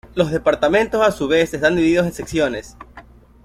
Los departamentos, a su vez, están divididos en secciones.